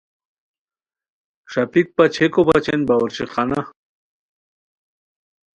ݰاپیک پاچئیکو بچین باورچی خانہ